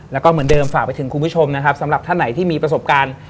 แล้วก็เหมือนเดิมฝากไปถึงคุณผู้ชมนะครับสำหรับท่านไหนที่มีประสบการณ์